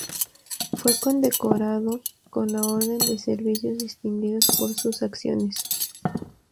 Fue condecorado con la Orden de Servicios Distinguidos por sus acciones.